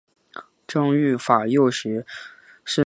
张玉法幼时生长于山东峄县。